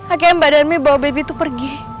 akhirnya mbak darmi bawa bayi itu pergi